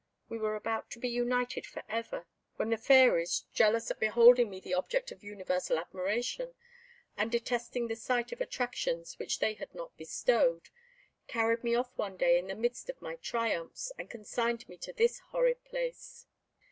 We were about to be united for ever, when the fairies, jealous at beholding me the object of universal admiration, and detesting the sight of attractions which they had not bestowed, carried me off one day in the midst of my triumphs, and consigned me to this horrid place.